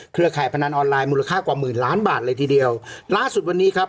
ข่ายพนันออนไลน์มูลค่ากว่าหมื่นล้านบาทเลยทีเดียวล่าสุดวันนี้ครับ